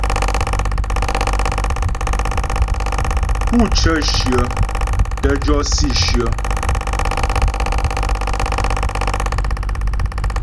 Pú cə́ shyə tə́ jɔ si shyə.